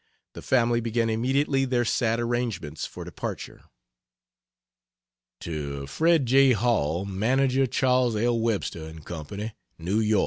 The family began immediately their sad arrangements for departure. To Fred J. Hall (manager Chas. L. Webster & Co.), N. Y.